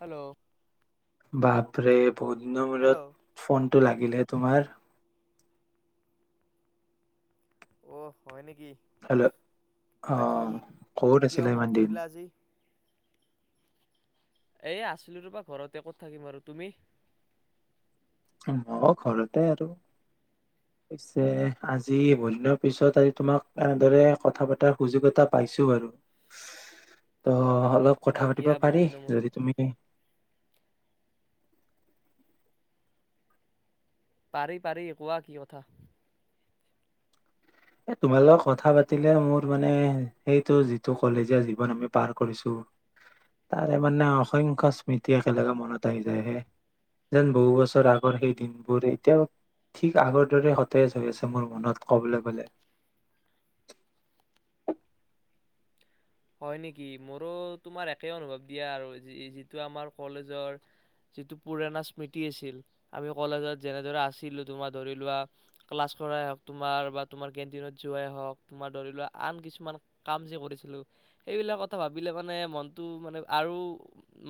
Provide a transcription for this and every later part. Hello বাপৰে বহুত দিনৰ হেল্ল' মূৰত ফোনটো লাগিলে তোমাৰ অঁ হয় নেকি হেল্ল' বাকী অঁ ক'ত কিয় আছিলা ইমান মনত দিন কৰিলা আজি এ আছিলো ৰবা ঘৰতে ক'ত থাকিম আৰু তুমি মও ঘৰতে আৰু পিছে আজি বহুদিনৰ পিছত আজি তোমাক এনেদৰে কথা পতাৰ সুযোগ এটা পাইছোঁ আৰু ত অলপ হয় কথা পাতিব দিয়া বহুত পাৰি দিনৰ মূৰত যদি তুমি পাৰি পাৰি কোৱা কি কথা এ তোমাৰ লগত কথা পাতিলে মোৰ মানে সেইটো যিটো কলেজীয়া জীৱন আমি পাৰ কৰিছোঁ তাৰে মানে অসংখ্য স্মৃতি একেলগে মনত আহি যায় হে, যেন বহু বছৰ আগৰ সেই দিনবোৰ এতিয়া ঠিক আগৰ দৰে সতেজ হৈ আছে মোৰ মনত ক'বলে গ'লে হয় নেকি মোৰো তোমাৰ একে অনুভৱ দিয়া আৰু যিটো আমাৰ কলেজৰ যিটো পুৰণা স্মৃতি আছিল আমি কলেজত যেনেদৰে আছিলো তোমাৰ ধৰি লোৱা ক্লাছ কৰাই হক তোমাৰ বা তোমাৰ কেটিনত যোৱাই হওঁক তোমাৰ ধৰি লোৱা আন কিছুমান কাম যে কৰিছিলোঁ সেইবিলাক কথা ভাবিলে মানে মনটো মানে আৰু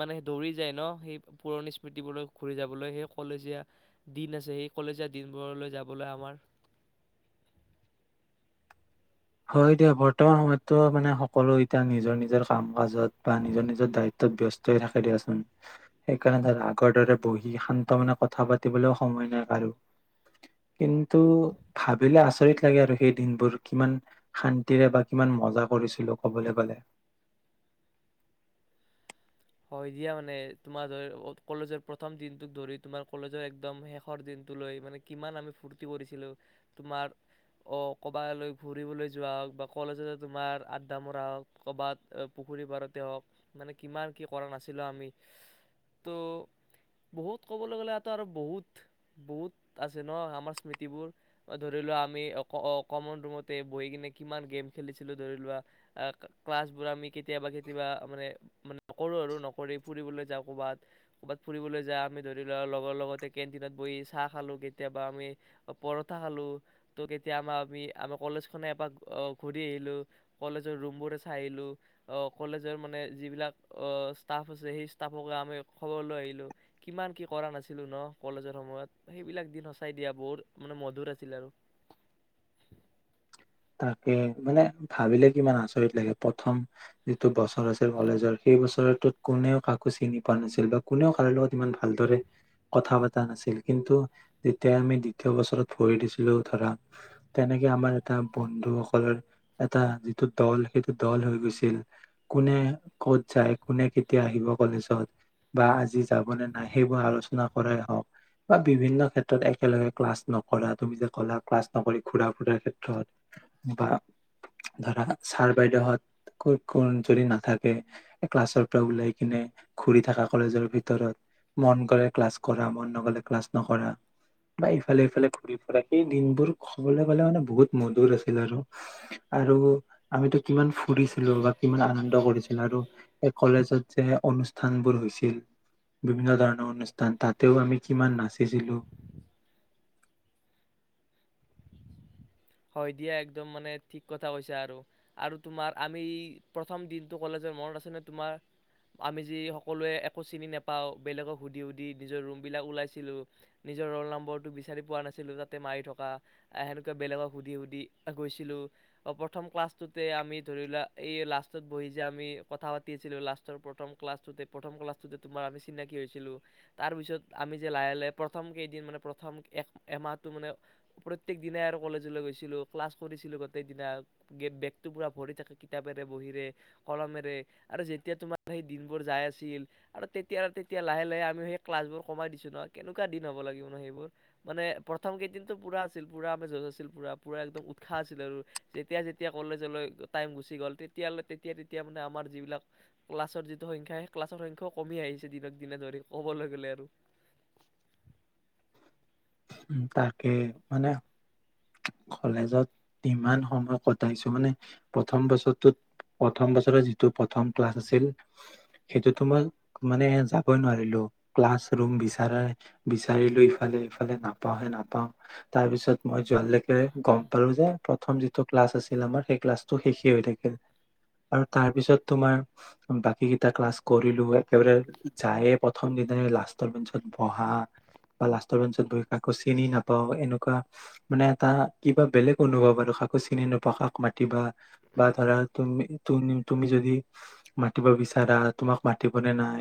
মানে দৌৰি যায় ন সেই পুৰণি স্মৃতিবোৰ ঘূৰি যাবলৈ সেই কলেজীয়া দিন আছে সেই কলেজীয়া দিনবোৰলৈ যাবলৈ আমাৰ হয় দিয়া বৰ্তমান সময়ততো মানে সকলো এতিয়া নিজৰ নিজৰ কাম কাজত বা নিজৰ নিজৰ দায়িত্ব তাত ব্যস্ত থাকে দিয়াচোন সেইকাৰণে ধ আগৰ দৰে বহি শান্ত মানে কথা পাতিবলৈও সময় নাই কাৰো কিন্তু ভাবিলে আচৰিত লাগে আৰু সেই দিনবোৰ কিমান শান্তিৰে বা কিমান মজা কৰিছিলো কবলৈ গলে হয় দিয়া মানে তোমাৰ ধৰি কলেজৰ প্ৰথম দিনটোক ধৰি তোমাৰ কলেজৰ একদম শেষৰ দিনটোলৈ মানে কিমান আমি ফূৰ্তি কৰিছিলোঁ তোমাৰ অঁ ক'ৰবালৈ ফুৰিবলৈ যোৱা হওক বা কলেজতে তোমাৰ আড্ডা মৰা হওক ক'বাত পুখুৰী পাৰতে হওক মানে কিমান কি কৰা নাছিলোঁ আমি তো বহুত ক'বলৈ গ'লোতো আৰু বহুত বহুত আছে ন আমাৰ স্মৃতিবোৰ ধৰি লোৱা আমি কমন ৰুমতে বহি কিনে কিমান গেম খেলিছিলোঁ ধৰি লোৱা ক্লাছবোৰ আমি কেতিয়াবা কেতিয়াবা মানে নকৰোঁ আৰু নকৰি ফুৰিবলৈ যাওঁ ক'বাত ক'বাত ফুৰিবলৈ যাওঁ আমি ধৰি লোৱা লগৰ লগতে কেণ্টিনত বহি চাহ খালোঁ কেতিয়াবা আমি পৰঠা খালোঁ তো কেতিয়াবা আমি আমাৰ আমি আমাৰ কলেজখনে এপাক ঘূৰি আহিলোঁ কলেজৰ ৰুমবোৰে চাই আহিলোঁ কলেজৰ মানে যিবিলাক অহ ষ্টাফ আছে সেই ষ্টাফক আমি খবৰ লৈ আহিলো কিমান কি কৰা নাছিলো ন কলেজৰ সময়ত সেইবিলাক দিন সচাই দিয়া বহুত মানে মধুৰ আছিল আৰু তাকে মানে ভাবিলে কিমান আচৰিত লাগে প্ৰথম যিটো বছৰ আছিল কলেজৰ সেই বছটোত কোনেও কাকো চিনি পোৱা নাছিল বা কোনেও কাৰো লগত ইমান ভালদৰে কথা পতা নাছিল কিন্তু যেতিয়া আমি দ্বিতীয় বছৰত ভৰি দিছিলো ধৰা তেনেকে আমাৰ এটা বন্ধুসকলৰ এটা যিটো দল সেইটো দল হৈ গৈছিল কোনে ক'ত যায় কোনে কেতিয়া আহিব কলেজত বা আজি যাবনে নাই সেইবোৰ আলোচনা কৰাই হওক বা বিভিন্ন ক্ষেত্ৰত একেলগে ক্লাছ নকৰা তুমি যে ক'লা ক্লাছ নকৰি ঘুৰা ফুুৰাৰ ক্ষেত্ৰত বা ধৰা ছাৰ বাইদেউহত ক কোন যদি নাথাকে ক্লাছৰ পৰা ওলাই কিনে ঘুৰি থাকা কলেজৰ ভিতৰত মন গলে ক্লাছ কৰা মন নগলে ক্লাছ নকৰা বা ইফালে ইফালে ঘূৰি ফুৰা সেই দিনবোৰ কবলৈ গলে মানে বহুত মধুৰ আছে আৰু আৰু আমিতো কিমান ফুৰিছিলো বা কিমান আনন্দ কৰিছিলো আৰু এই কলেজত যে অনুষ্ঠান বোৰ হৈছিল বিভিন্ন ধৰণৰ অনুষ্ঠান তাতেও আমি কিমান নাচিছিলো হয় দিয়া একদম মানে ঠিক কথা কৈছে আৰু আৰু তোমাৰ আমি প্ৰথম দিনটো কলেজৰ মনত আছে তোমাৰ আমি যি সকলোৱে একো চিনি নোপাওঁ বেলেগক সুধি সুধি নিজৰ ৰুমবিলাক ওলাইছিলোঁ নিজৰ ৰোল নম্বৰটো বিচাৰি পোৱা নাছিলোঁ তাতে মাৰি থকা সেনেকুৱা বেলেগক সুধি সুধি গৈছিলোঁ প্ৰথম ক্লাছটোতে আমি ধৰি লোৱা এই লাষ্টতত বহি যে আমি কথা পাতি আছিলোঁ লাষ্টৰ প্ৰথম ক্লাছটোতে প্ৰথম ক্লাছটোতে তোমাৰ আমি চিনাকি হৈছিলোঁ তাৰপিছত আমি যে লাহে লাহে প্ৰথম কেইদিন মানে প্ৰথম এক এমাহটো মানে প্ৰত্যেক দিনাই আৰু কলেজ ক্লাছলৈ গৈছিলোঁ ক্লাছ কৰিছিলো গোটেই দিনা বেগটো পুৰা ভৰি থাকে কিতাপেৰে বহিৰে কলমেৰে আৰু যেতিয়া তোমাৰ সেই দিনবোৰ যাই আছিল আৰু তেতিয়া তেতিয়া লাহে লাহে আমি সেই ক্লাছ বোৰ কমাই দিছো ন কেনেকুৱা দিন হ'ব লাগিব ন সেইবোৰ মানে প্ৰথম কেইদিনতো পুৰা আছিল পুৰা আমি যজ আছিল পুৰা পুৰা একদম উৎসাহ আছিলে আৰু যেতিয়া যেতিয়া কলেজলৈ টাইম গুচি গ'ল তেতিয়ালৈ তেতিয়া তেতিয়া তেতিয়া মানে আমাৰ যিবিলাক ক্লাছৰ যিটো সংখ্যা ক্লাছৰ সংখ্যাও কমি আহিছে দিনক দিনে ধৰি ক'বলৈ গ'লে আৰু উ তাকে মানে কলেজত ইমান সময় কটাইছো মানে প্ৰথম বছৰটোত প্ৰথম বছৰৰ যিটো প্ৰথম ক্লাছ আছিল সেইটোতো মই মানে যাবই নোৱাৰিলো ক্লাছ ৰুম বিচাৰ বিচাৰিলো ইফালে ইফালে নাপাওঁহে নাপাওঁ তাৰপিছত মই যোৱ লকে গম পালো যে প্ৰথম যিটো ক্লাছ আছিল আমাৰ সেই ক্লাছটো শেষে হৈ থাকিল আৰু তাৰ পিছত তোমাৰ বাকী কেইটা ক্লাছ কৰিলো একেবাৰে যায়ে প্ৰথম দিনাাই লাষ্টৰ বেঞ্চত বহা বা লাষ্টৰ বেঞ্চত বহি কাকো চিনি নাপাওঁ এনেকুৱা। মানে এটা কিবা বেলেগ অনুভৱ আৰু কাকো চিনি নোপোৱা কাক মাতিবা বা ধৰা তুমি তুমি যদি মাতিব বিচাৰা তোমাক মাতিব নে নাই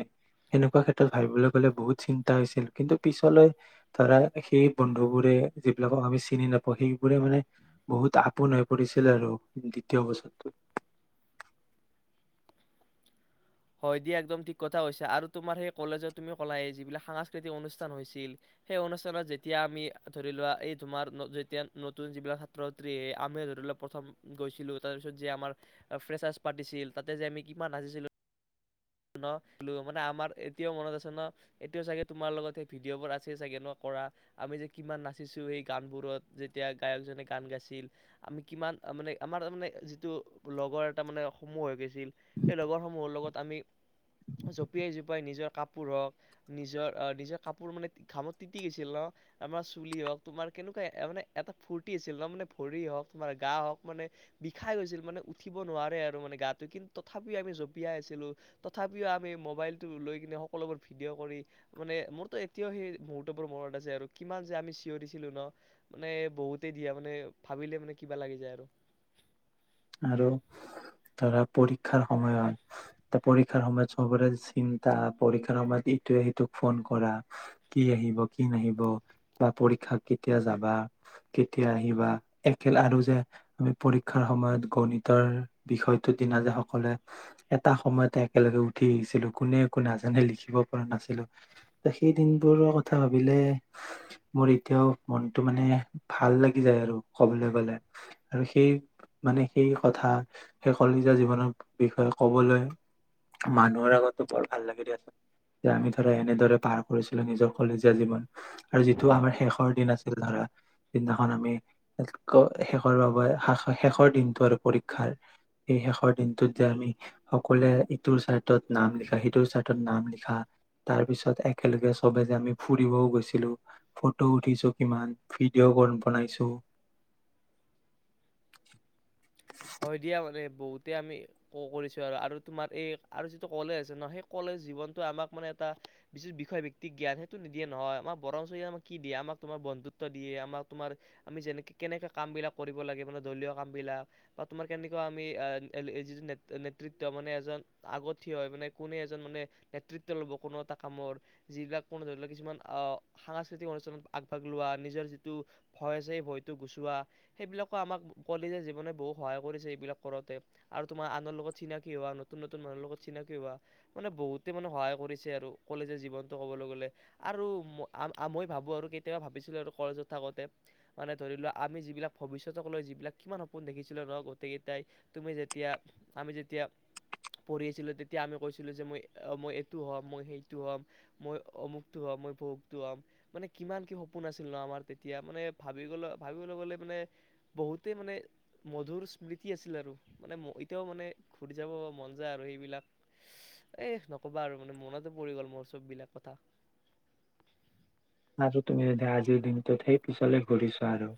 সেনেকুৱা ক্ষেত্ৰত ভাবিবলৈ গলে বহুত চিন্তা হৈছিল কিন্তু পিছলৈ ধৰা সেই বন্ধু বোৰে যিবিলাকক আমি চিনি চিনি নাপাওঁ সেইবোৰে মানে বহুত আপোন হৈ পৰিছিল আৰু দ্বিতীয় বছৰটো হয় দিয়া একদম ঠিক কথা হৈছে আৰু তোমাৰ সেই কলেজত তুমি কলাই যিবিলাক সাংস্কৃতিক অনুষ্ঠান হৈছিল সেই অনুষ্ঠানত যেতিয়া আমি ধৰি লোৱা এই তোমাৰ যেতিয়া নতুন যিবিলাক ছাত্ৰ ছাত্ৰী আমি লোৱা প্ৰথম গৈছিলো তাৰ পিছত যে আমাৰ ফেচাচ পাতিছিল তাতে যে আমি কিমান নাচিছিলো ন আৰু মানে আমাৰ এতিয়াও মনত আছে ন এতিয়াও চাগে তোমাৰ লগত সেই ভিডিঅ'বোৰ আছে চাগে ন কৰা আমি যে কিমান নাচিছো সেই গানবোৰত যেতিয়া গায়কজনে গান গাইছিল আমি কিমান মানে আমাৰ তাৰ মানে যিটো লগৰ এটা মানে সমূহ হৈ গৈছিল সেই লগৰ সমূহৰ লগত আমি জঁপিয়াই জোপাই নিজৰ কাপোৰ হওক নিজৰ আহ নিজৰ কাপোৰ মানে ঘামত তিতি গৈছিল ন আমাৰ চুলি হওক তোমাৰ কেনেকুৱা মানে এটা ফূুৰ্তি আছিল ন মানে ভৰি হওক তোমাৰ গা হওক মানে বিষাই গৈছিল মানে উঠিব নোৱাৰে আৰু মানে গাটো কিন্তু তথাপিও আমি জঁপিয়াই আছিলো তথাপিও আমি মোবাইলটো লৈ কিনে সকলোবোৰ ভিডিঅ' কৰি মানে মোৰতো এতিয়াও সেই মুহৰ্তবোৰ মনত আছে আৰু কিমান যে আমি চিঞৰিছিলোঁ ন মানে বহুতেই দিয়া মানে ভাবিলে মানে কিবা লাগি যায় আৰু আৰু ধৰা পৰীক্ষাৰ সময়ত পৰীক্ষাৰ সময়ত সবৰে চিন্তা পৰীক্ষাৰ সময়ত ইটোৱে সিটোক ফোন কৰা কি আহিব কি নাহিব বা পৰীক্ষা কেতিয়া যাবা কেতিয়া আহিবা একেল আৰু যে আমি পৰীক্ষাৰ সময়ত গণিতৰ বিষয়টো দিনা যে সকলে এটা সময়তে একেলগে উঠি আহিছিলো কোনে একো নাজানে লিখিব পৰা নাছিলো ত সেই দিনবোৰৰ কথা ভাবিলে মোৰ এতিয়াও মনটো মানে ভাল লাগি যায় আৰু কবলৈ গলে আৰু সেই মানে সেই কথা সেই কলেজীয়া জীৱনৰ বিষয়ে কবলৈ মানুহৰ আগতো বৰ ভাল লাগি দিয়াচোন যে আমি ধৰা এনেদৰে পাৰ কৰিছিলো নিজৰ কলেজীয়া জীৱন আৰু যিটো আমাৰ শেষৰ দিন আছিল ধৰা যিদিনাখন আমি শেষৰ বাবে শেষৰ দিন আৰু পৰীক্ষাৰ এই শেষৰ দিনটোত যে আমি সকলোৱে ইটোৰ চাৰটত নাম লিখা সিটোৰ চাৰটত নাম লিখা তাৰ পিছত একেলগে চবে যে আমি ফুৰিবও গৈছিলো ফটো উঠিছো কিমান ভিডিঅ' কণ বনাইছো হয় দিয়া মানে বহুতে আমি ক কৰিছো আৰু আৰু তোমাৰ এই আৰু যিটো কলেজ আছে ন সেই কলেজ জীৱনটো আমাক মানে এটা বিষয় বক্তি জ্ঞান সেইটো নিদিয়ে নহয় আমাৰ বৰন্ব আমাক কি দিয়ে আমাক তোমাৰ বন্ধুত্ব দিয়ে আমাক তোমাৰ আমি যেনে কেনেকে কাম বিলাক কৰিব লাগে মান দলীয় কাম বিলাক বা তোমাৰ কেনেকুৱা আমি যিটো নেত নেতৃত্ব মানে এজন আগতীয়া হয় মানে কোনে এজন মানে নেতৃত্ব ল'ব কোনো এটা কামৰ যিবিলাক কোনো ধৰি লওক কিছুমান সাংস্কৃতিক অনুষ্ঠানত আগভাগ লোৱা নিজৰ যিটো ভয় আছে সেই ভয়টো গুচোৱা সেইবিলাকো আমাক কলেজীযাযে জীৱনে বহু সহায় কৰিছে এইবিলাক কৰোতে আৰু তোমাৰ আনৰ লগত চিনাকি হোৱা নতুন নতুন মানুহৰ লগত চিনাকি হোৱা মানে বহুতে মানে সহায় কৰিছে আৰু কলেজৰ জীৱনটো ক'বলৈ গ'লে আৰু মই ভাবো আৰু কেতিয়াবা ভাবিছিলো আৰু কলেজত থাকোতে মানে ধৰি লোৱা আমি যিবিলাক ভৱিষ্যতক লৈ যিবিলাক কিমান সপোন দেখি দিলো ন গোটেই কেইটাই তুমি যেতিয়া আমি যেতিয়া পঢ়ি আছিলো তেতিয়া আমি কৈছিলো যে মই মই এইটো হম মই সেইটো হম মই অমুকটো হম মই ভহুকটো হ'ম মানে কিমান কি সপোন আছিল ন আমাৰ তেতিয়া মানে ভাবি গ ভাবিবলৈ গলে মানে বহুতেই মানে মধুৰ স্মৃতি আছিল আৰু মানে এতিয়াও মানে ঘূৰি যাব মন যায় আৰু সেইবিলাক এ নকবা আৰু মানে মনত এ পৰি গ'ল মোৰ চব বিলাক কথা আৰু তুমি যদি আজিৰ দিনটোত সেই পিছলে ঘূৰিছোৱা আৰু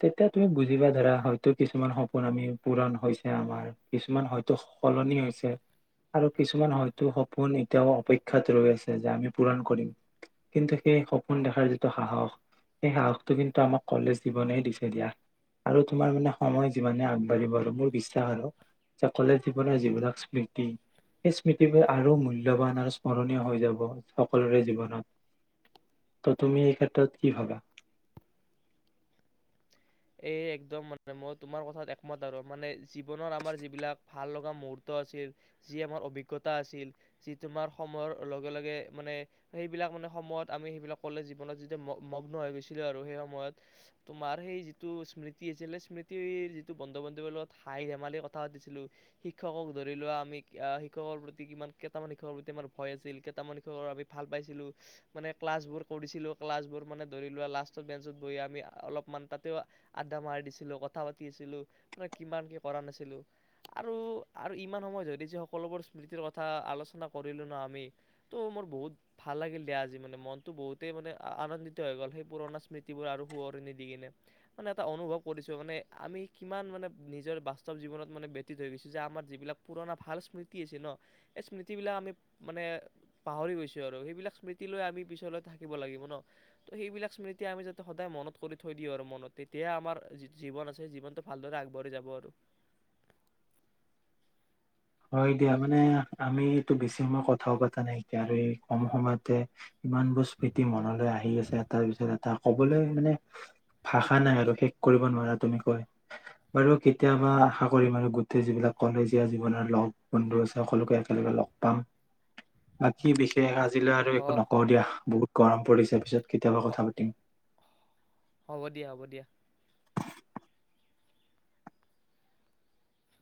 তেতিয়া তুমি বুজিবা ধৰা হয়তো কিছুমান সপোন আমি পূৰণ হৈছে আমাৰ কিছুমান হয়তো সলনি হৈছে আৰু কিছুমান হয়তো সপোন এতিয়াও অপেক্ষাত ৰৈ আছে যে আমি পূৰণ কৰিম কিন্তু সেই সপোন দেখাৰ যিটো সাহস সেই সাহসটো কিন্তু আমাক কলেজ জীৱনে দিছে দিয়া আৰু তোমাৰ মানে সময় যিমানে আগবাঢ়িব আৰু মোৰ বিশ্বাস আৰু যে কলেজ জীৱনৰ যিবিলাক স্মৃতি সেই স্মৃতিবোৰ আৰু মূল্লবান আৰু স্মৰণীয় হৈ যাব সকলোৰে জীৱনত ত' তুমি এই ক্ষেত্ৰত কি ভাবা এই একদম মানে মই তোমাৰ কথাত একমত আৰু মানে জীৱনৰ আমাৰ যিবিলাক ভাল লগা মুহুৰ্ত আছিল যি আমাৰ অভিজ্ঞতা আছিল যি তোমাৰ সময়ৰ লগে লগে মানে সেইবিলাক মানে সময়ত আমি সেইবিলাক কলে জীৱনত যি মগ্ন হৈ গৈছিলো আৰু সেই সময়ত তোমাৰ সেই যিটো স্মৃতি আছিলে স্মৃতিৰ যিটো বন্ধু বান্ধৱীৰ লগত হাই ধেমালি কথা পাতিছিলোঁ শিক্ষকক ধৰি লোৱা আমি শিক্ষকৰ প্ৰতি কিমান কেইটামান শিক্ষকৰ প্ৰতি আমাৰ ভয় আছিল কেইটামান শিক্ষকৰ আমি ভাল পাইছিলোঁ মানে ক্লাছবোৰ কৰিছিলোঁ ক্লাছবোৰ মানে ধৰি লোৱা লাষ্টত বেঞ্চত বহি আমি অলপমান তাত তেওঁ আড্ডা মাৰি দিছিলোঁ কথা পাতি আছিলোঁ মে কিমান কি কৰা নাছিলোঁ আৰু আৰু ইমান সময় ধৰি যে সকলোবোৰ স্মৃতিৰ কথা আলোচনা কৰিলোঁ ন আমি তো মোৰ বহুত ভাল লাগিল দিয়া আজি মানে মনটো বহুতেই মানে আনন্দিত হৈ গ'ল সেই পুৰণা স্মৃতিবোৰ আৰু সোঁৱৰনি দি কিনে মানে এটা অনুভৱ কৰিছো মানে আমি কিমান মানে নিজৰ বাস্তৱ জীৱনত মানে ভেটি ধৰিছো যে আমাৰ যিবিলাক পুৰণা ভাল স্মৃতি আছে ন সেই স্মৃতি বিলাক আমি মানে পাহৰি গৈছো আৰু সেইবিলাক স্মৃতি লৈ আমি পিছলৈ থাকিব লাগিব ন ত সেইবিলাক স্মৃতি আমি যাতে সদায় মনত কৰি থৈ দি আৰু মনত তেতিয়াে আমাৰি জীৱন আছে জীৱনটো ভালদৰে আগবাঢ়ি যাব আৰু হয় দিয়া মানে আমিটো বেছি সময় কথাও পতা নাইকিয়া আৰু এই কম সময়তে ইমান বোৰ ম্মতি মনলৈ আহি আছে এটাৰ পিছত এটা কবলৈ মানে ভাষা নাই আৰু শেষ কৰিব নোৱাৰা তুমি কৈ বাৰু কেতিয়াবা আশা কৰিম আৰু গোটেই যিবিলাক কলেজীয়া জীৱনৰ লগ বন্ধু আছে সকলোকে একেলগে লগ পাম বাকী বিশেষ আজিলৈ আৰু অ একো নকওঁ দিয়া বহুত গৰম পৰিছে পিছত কেতিয়াবা কথা হ- পাতিম হ'ব দিয়া হ'ব দিয়া